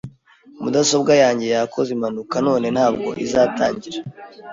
Mudasobwa yanjye yakoze impanuka none ntabwo izatangira .